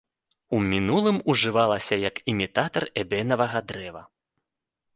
У мінулым ужывалася як імітатар эбенавага дрэва.